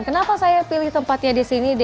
kenapa saya pilih tempatnya di sini